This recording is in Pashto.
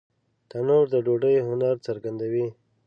تنور د ډوډۍ هنر څرګندوي